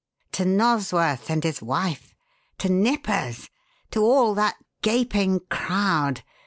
To Nosworth and his wife! To Nippers! To all that gaping crowd!